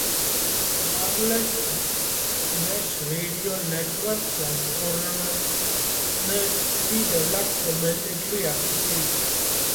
Wireless mesh radio networks were originally developed for military applications.